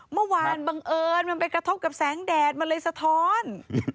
บังเอิญมันไปกระทบกับแสงแดดมันเลยสะท้อน